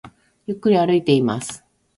ゆっくり歩いています